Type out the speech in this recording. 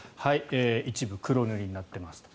一部黒塗りになっていますと。